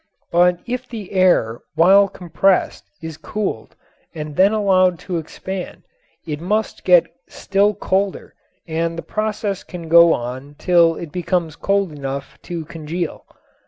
But if the air while compressed is cooled and then allowed to expand it must get still colder and the process can go on till it becomes cold enough to congeal.